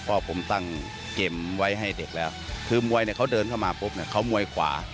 ก็ผมตั้งเกมไว้ให้เด็กแล้วคือมวยเนี่ยเขาเดินเข้ามาปุ๊บเนี่ยเขามวยขวา